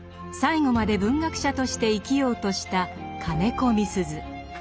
最後まで文学者として生きようとした金子みすゞ。